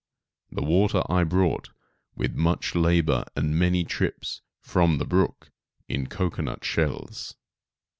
The water I brought, with much labor and many trips, from the brook, in cocoanut shells.